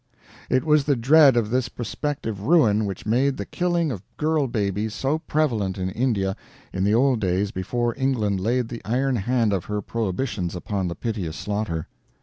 It was the dread of this prospective ruin which made the killing of girl babies so prevalent in India in the old days before England laid the iron hand of her prohibitions upon the piteous slaughter.